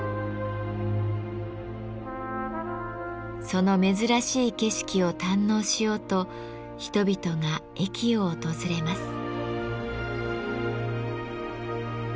その珍しい景色を堪能しようと人々が駅を訪れます。